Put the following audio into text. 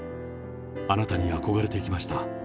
あなたに憧れてきました。